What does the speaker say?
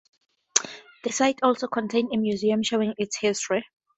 The site also contains a museum showing its history.